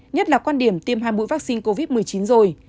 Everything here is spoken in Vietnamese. nhất là quan điểm tiêm hai mũi vaccine covid một mươi chín rồi